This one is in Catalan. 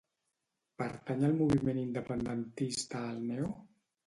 Pertany al moviment independentista el Neo?